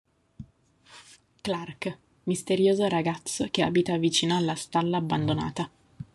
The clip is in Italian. Clark: misterioso ragazzo che abita vicino alla stalla abbandonata.